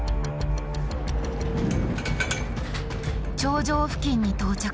頂上付近に到着。